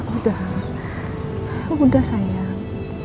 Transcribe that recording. udah udah sayang